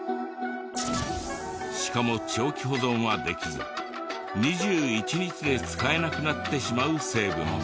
しかも長期保存はできず２１日で使えなくなってしまう成分も。